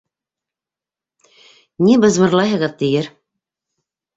Ни бызмырлайһығыҙ, тиер.